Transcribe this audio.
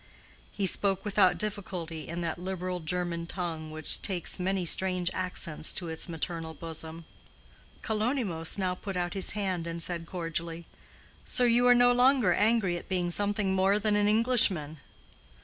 He spoke without difficulty in that liberal German tongue which takes many strange accents to its maternal bosom. Kalonymos now put out his hand and said cordially, "So you are no longer angry at being something more than an Englishman?"